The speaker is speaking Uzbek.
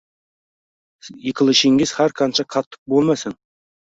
Yiqilishingiz har qancha qattiq bo’lmasin.